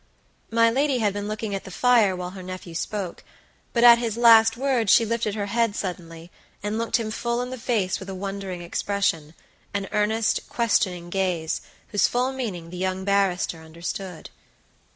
My lady had been looking at the fire while her nephew spoke, but at his last words she lifted her head suddenly, and looked him full in the face with a wondering expressionan earnest, questioning gaze, whose full meaning the young barrister understood.